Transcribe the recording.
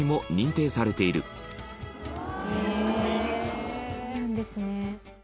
羽田：そうなんですね。